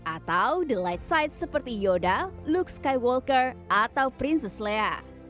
atau di light side seperti yoda luke skywalker atau princess leia